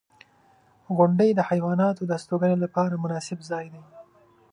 • غونډۍ د حیواناتو د استوګنې لپاره مناسب ځای دی.